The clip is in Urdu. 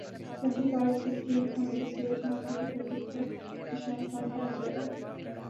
شناختی کارڈ کی تصدیق ہونے کی صورت میں سکرین پر ٹک کا نشان سامنے آ جائے گا